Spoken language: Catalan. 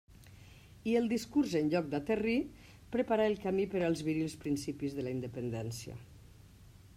I el discurs en lloc d'aterrir preparà el camí per als virils principis de la independència.